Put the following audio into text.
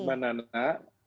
nah bang nana